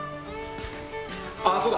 ああそうだ！